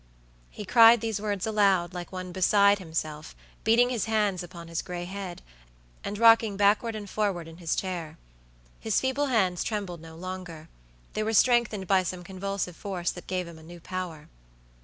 He cried these words aloud, like one beside himself, beating his hands upon his gray head, and rocking backward and forward in his chair. His feeble hands trembled no longerthey were strengthened by some convulsive force that gave them a new power.